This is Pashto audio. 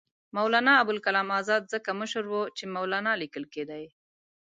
مولنا ابوالکلام آزاد ځکه مشر وو چې مولنا لیکل کېدی.